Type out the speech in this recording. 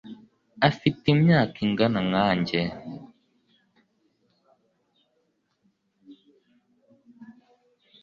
afite imyaka ingana nkanjye